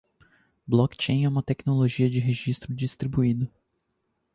Blockchain é uma tecnologia de registro distribuído.